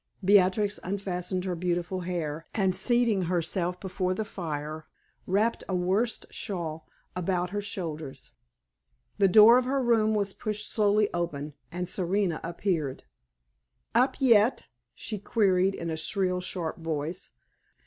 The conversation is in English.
Beatrix unfastened her beautiful hair, and seating herself before the fire, wrapped a worsted shawl about her shoulders. The door of her room was pushed slowly open, and Serena appeared. "Up yet?" she queried in a shrill, sharp voice.